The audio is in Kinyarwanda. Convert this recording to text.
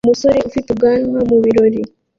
Umusore ufite ubwanwa mubirori